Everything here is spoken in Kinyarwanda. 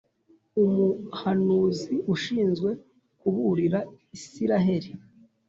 Umuhanuzi ashinzwe kuburira israheli